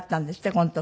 この時。